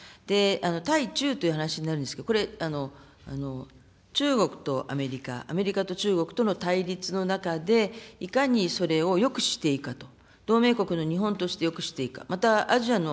対中という話になるんですけど、これ、中国とアメリカ、アメリカと中国との対立の中で、いかにそれを抑止していくか、同盟国として抑止していくか。